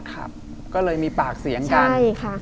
ครับก็เลยมีปากเสียงกันใช่ค่ะ